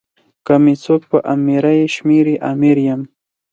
که می څوک په امیری شمېري امیر یم.